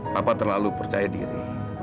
papa terlalu percaya diri